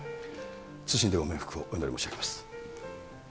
謹んでご冥福をお祈り申し上げます。